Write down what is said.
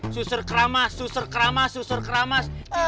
susur keramas susur keramas susur keramas